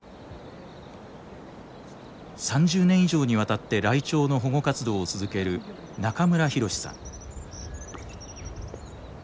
３０年以上にわたってライチョウの保護活動を続ける中村浩志さん。